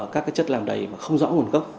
các chất làm đầy mà không rõ nguồn gốc